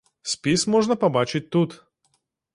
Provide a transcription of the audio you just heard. Спіс можна пабачыць тут.